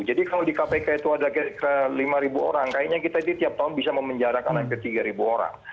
jadi kalau di kpk itu ada ke lima ribu orang kayaknya kita itu tiap tahun bisa memenjarakan hampir tiga ribu orang